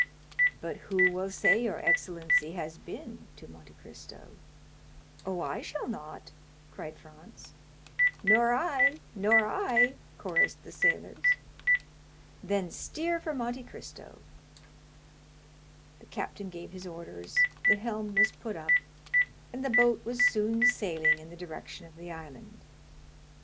"But who will say your excellency has been to Monte Cristo?" "Oh, I shall not," cried Franz. "Nor I, nor I," chorused the sailors. "Then steer for Monte Cristo." The captain gave his orders, the helm was put up, and the boat was soon sailing in the direction of the island.